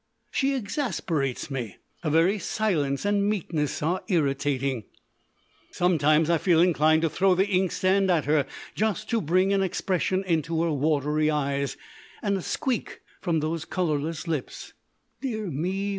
She exasperates me. Her very silence and meekness are irritating. Sometimes I feel inclined to throw the inkstand at her, just to bring an expression into her watery eyes and a squeak from those colourless lips. Dear me!